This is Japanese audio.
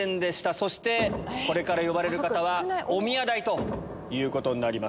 そしてこれから呼ばれる方はおみや代ということになります。